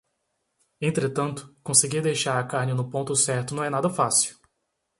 Entretanto, conseguir deixar a carne no ponto certo não é nada fácil